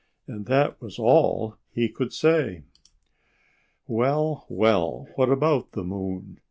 And that was all he could say. "Well, well! What about the moon!"